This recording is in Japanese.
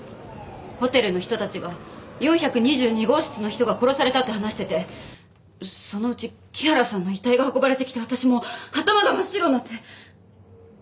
ホテルの人たちが４２２号室の人が殺されたって話しててそのうち木原さんの遺体が運ばれてきて私もう頭が真っ白になって。